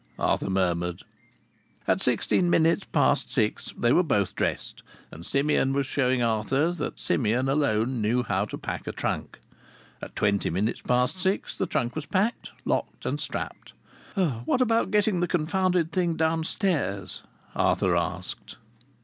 Arthur murmured. At sixteen minutes past six they were both dressed, and Simeon was showing Arthur that Simeon alone knew how to pack a trunk. At twenty minutes past six the trunk was packed, locked and strapped. "What about getting the confounded thing downstairs?" Arthur asked.